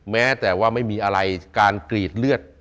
แม้แต่ว่าไม่มีอะไรการกรีดเลือด